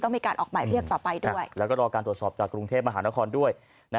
มีการออกหมายเรียกต่อไปด้วยแล้วก็รอการตรวจสอบจากกรุงเทพมหานครด้วย